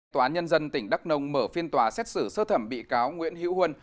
tòa án nhân dân tỉnh đắk nông mở phiên tòa xét xử sơ thẩm bị cáo nguyễn hiễu huân